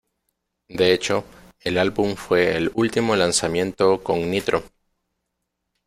De hecho, el álbum fue el último lanzamiento con Nitro.